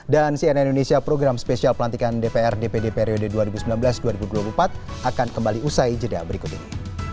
dan cnn indonesia program spesial pelantikan dpr dpd periode dua ribu sembilan belas dua ribu dua puluh empat akan kembali usai jeda berikut ini